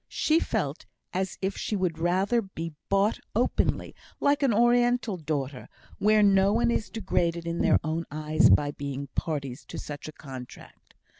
She felt as if she would rather be bought openly, like an Oriental daughter, where no one is degraded in their own eyes by being parties to such a contract.